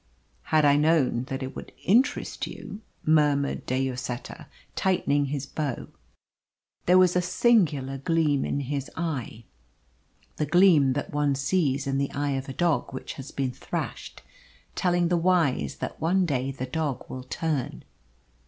"Had I known that it would interest you " murmured De Lloseta, tightening his bow. There was a singular gleam in his eye. The gleam that one sees in the eye of a dog which has been thrashed, telling the wise that one day the dog will turn.